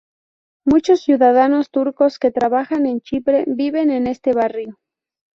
Muchos ciudadanos turcos que trabajan en Chipre viven en este barrio.